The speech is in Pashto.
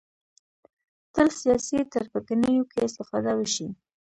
تل سیاسي تربګنیو کې استفاده وشي